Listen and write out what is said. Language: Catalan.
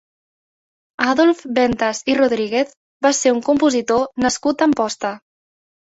Adolf Ventas i Rodríguez va ser un compositor nascut a Amposta.